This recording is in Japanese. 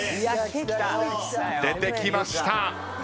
出てきました。